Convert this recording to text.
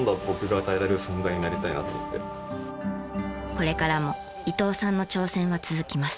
これからも伊藤さんの挑戦は続きます。